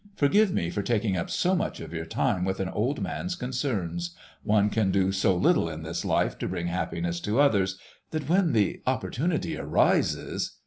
Forgive me for taking up so much of your time with an old man's concerns. One can do so little in this life to bring happiness to others that when the opportunity arises..."